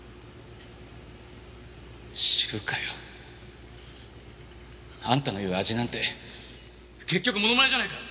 知るかよ。あんたの言う味なんて結局ものまねじゃないか！